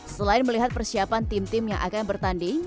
selain melihat persiapan tim tim yang akan bertanding